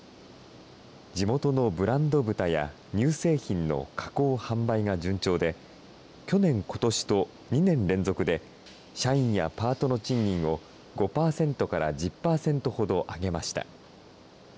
地元のブランド豚や乳製品の加工・販売が順調で、去年、ことしと２年連続で、社員やパートの賃金を５％から１０％ほど上げました。